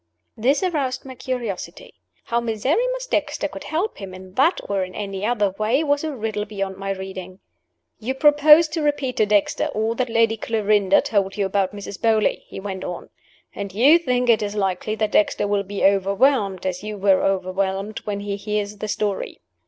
This aroused my curiosity. How Miserrimus Dexter could help him, in that or in any other way, was a riddle beyond my reading. "You propose to repeat to Dexter all that Lady Clarinda told you about Mrs. Beauly," he went on. "And you think it is likely that Dexter will be overwhelmed, as you were overwhelmed, when he hears the story.